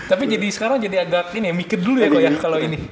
tapi sekarang jadi agak ini ya mikir dulu ya kok ya kalau ini